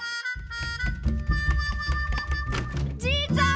じいちゃん！